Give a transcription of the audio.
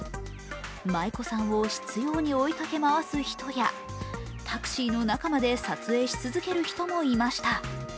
舞子さんを執ように追いかけ回す人やタクシーの中まで撮影し続ける人もいました。